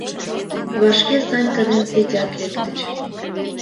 Вашке Санька ден Федят лектыч.